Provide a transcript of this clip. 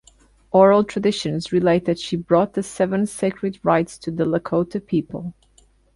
Oral traditions relate that she brought the "Seven Sacred Rites" to the Lakota people.